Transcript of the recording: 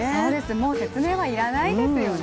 もう説明はいらないですよね。